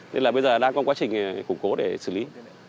nên là bây giờ đang trong quá trình củng cố để xử lý